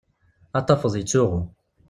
Ad tafeḍ yettsuɣu.